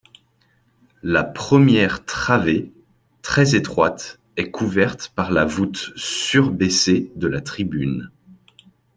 La première travée, très étroite, est couverte par la voûte surbaissée de la tribune.